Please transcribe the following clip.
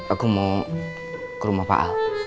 aku mau ke rumah pak al